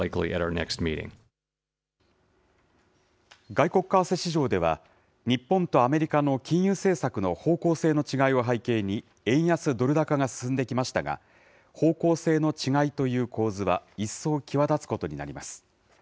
外国為替市場では、日本とアメリカの金融政策の方向性の違いを背景に、円安ドル高が進んできましたが、方向性の違いという構図は一層際立つことになります。